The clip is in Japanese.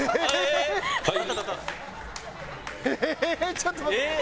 ちょっと待って！